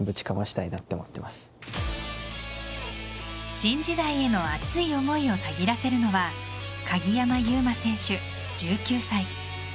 新時代への熱い思いをたぎらせるのは鍵山優真選手１９歳。